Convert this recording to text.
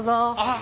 あ！